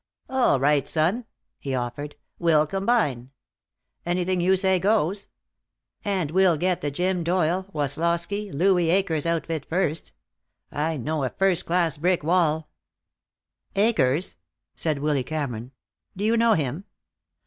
"All right, son," he offered. "We'll combine. Anything you say goes. And we'll get the Jim Doyle Woslosky Louis Akers outfit first. I know a first class brick wall " "Akers?" said Willy Cameron. "Do you know him?"